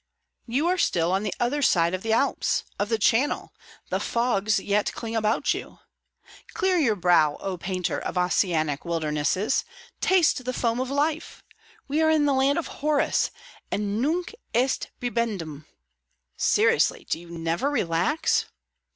You are still on the other side of the Alps, of the Channel; the fogs yet cling about you. Clear your brow, O painter of Ossianic wildernesses! Taste the foam of life! We are in the land of Horace, and nunc est bibendum! Seriously, do you never relax?"